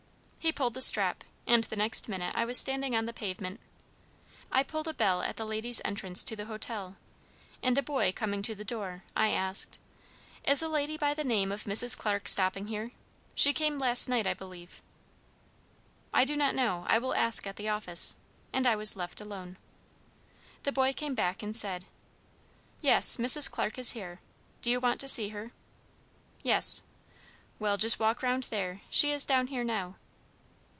He pulled the strap, and the next minute I was standing on the pavement. I pulled a bell at the ladies' entrance to the hotel, and a boy coming to the door, I asked: "Is a lady by the name of Mrs. Clarke stopping here? She came last night, I believe." "I do not know. I will ask at the office;" and I was left alone. The boy came back and said: "Yes, Mrs. Clarke is here. Do you want to see her?" "Yes." "Well, just walk round there. She is down here now."